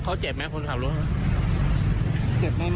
งั้นผมหลบไม่ทันก็ตัดเต็มไปเลย